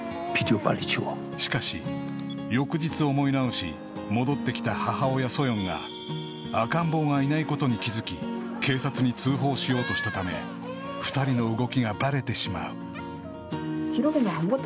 ［しかし翌日思い直し戻ってきた母親ソヨンが赤ん坊がいないことに気付き警察に通報しようとしたため２人の動きがバレてしまう］